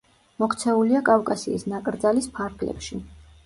მოქცეულია კავკასიის ნაკრძალის ფარგლებში.